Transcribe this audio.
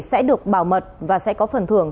sẽ được bảo mật và sẽ có phần thưởng